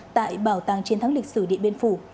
tại bảo tàng chiến thắng lịch sử điện biên phủ